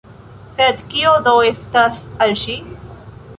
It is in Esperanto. Sed kio do estas al ŝi?